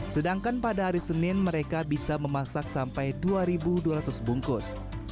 sedangkan pada hari senin mereka bisa memasak sampai dua dua ratus bungkus